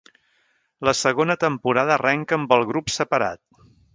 La segona temporada arrenca amb el grup separat.